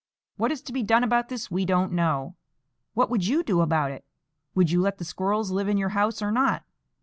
What is to be done about this we don't know. What would you do about it? Would you let the squirrels live in your house or not?